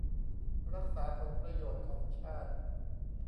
รักษาผลประโยชน์ของชาติ